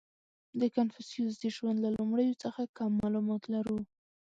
• د کنفوسیوس د ژوند له لومړیو څخه کم معلومات لرو.